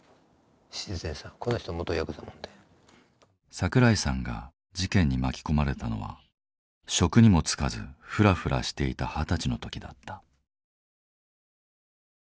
桜井さんが事件に巻き込まれたのは職にも就かずフラフラしていた二十歳の時だった。